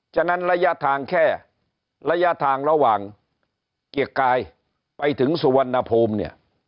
ฉะนั้นระยะทางแค่ระยะทางระหว่างเกียรติกายไปถึงสุวรรณภูมิเนี่ย